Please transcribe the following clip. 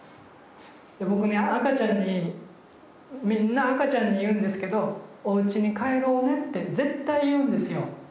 僕ね赤ちゃんにみんな赤ちゃんに言うんですけどって絶対言うんですよ。